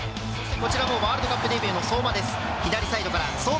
ワールドカップデビューの相馬です。